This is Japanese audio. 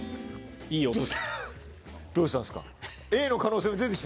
どうしたんすか？